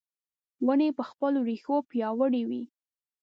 ونې په خپلو رېښو پیاوړې وي .